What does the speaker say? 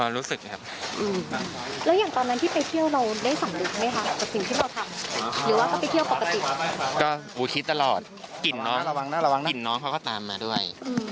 รู้สึกผิดกับภรรยาตัวเองบ้างมั้ย